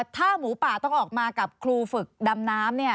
ถ้าหมูป่าต้องออกมากับครูฝึกดำน้ำ